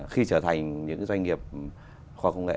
khi trở thành những doanh nghiệp khoa học công nghệ